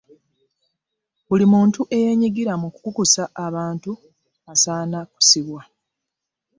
buli muntu eyeenyigira mu kukukusa abantu asaana kusibwa.